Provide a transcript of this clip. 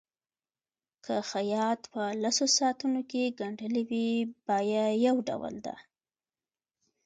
که خیاط په لسو ساعتونو کې ګنډلي وي بیه یو ډول ده.